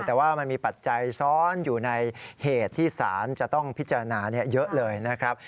แต่ว่ามันมีปัจจัยซ้อนอยู่ในเหตุที่ศาลจะต้องพิจารณาเยอะเลยนะครับ